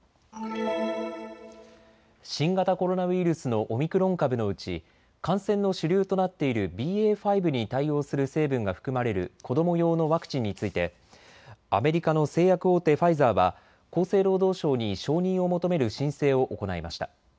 新型コロナウイルスのオミクロン株のうち感染の主流となっているＢＡ．５に対応する成分が含まれる子ども用のワクチンについてアメリカの製薬大手、ファイザーは厚生労働省に承認を求める申請を行いました。